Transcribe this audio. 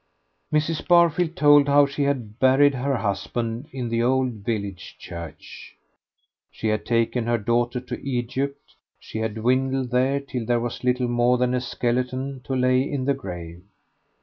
Mrs. Barfield told how she had buried her husband in the old village church. She had taken her daughter to Egypt; she had dwindled there till there was little more than a skeleton to lay in the grave.